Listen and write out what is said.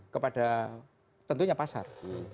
kepada tentunya pasar